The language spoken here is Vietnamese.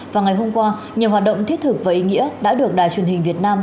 và ngày hôm qua nhiều hoạt động thiết thực và ý nghĩa đã được đài truyền hình việt nam